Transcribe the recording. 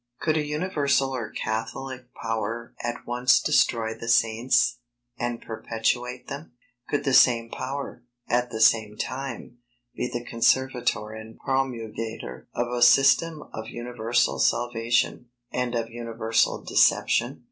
Could a universal or catholic power at once destroy the Saints, and perpetuate them? Could the same power, at the same time, be the conservator and promulgator of a system of universal salvation, and of universal deception?